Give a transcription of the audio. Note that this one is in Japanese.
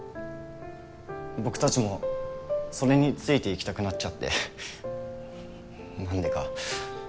僕たちもそれについていきたくなっちゃってなんでか。